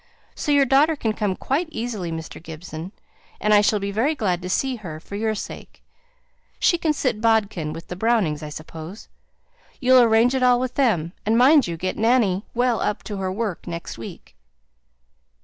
So your daughter can come quite easily, Mr. Gibson, and I shall be very glad to see her for your sake. She can sit bodkin with the Brownings, I suppose? You'll arrange it all with them; and mind you get Nanny well up to her work next week."